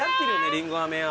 りんご飴屋。